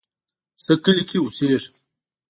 زه کلی کې اوسیږم